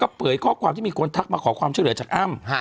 เผยข้อความที่มีคนทักมาขอความช่วยเหลือจากอ้ำ